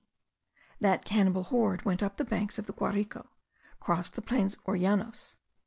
That cannibal horde went up the banks of the Guarico, crossing the plains or llanos.